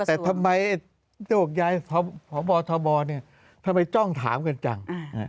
แต่ทำไมโยกย้ายพบทบทำไมจ้องถามกันจัง